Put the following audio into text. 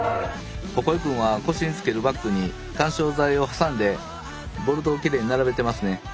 鉾井くんは腰に着けるバッグに緩衝材を挟んでボルトをきれに並べてますね。